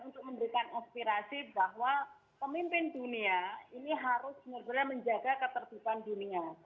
untuk memberikan inspirasi bahwa pemimpin dunia ini harus sebenarnya menjaga keterbitan dunia